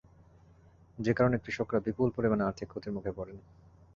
যে কারণে কৃষকেরা বিপুল পরিমাণ আর্থিক ক্ষতির মুখে পড়েন।